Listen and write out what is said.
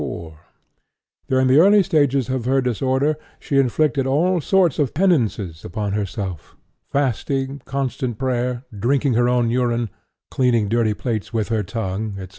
During the early stages of her disorder she inflicted all sorts of penances upon herself (fasting, constant prayer, drinking her own urine, cleaning dirty plates with her tongue, etc.).